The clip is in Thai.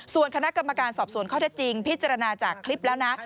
ส่วนคณะกรรมการสอบสวนข้อเท็จจริงพิจารณาจากคลิปแล้วนะ